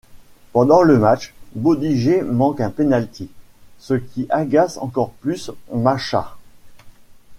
Pendant le match, Bodiger manque un penalty, ce qui agace encore plus Machach.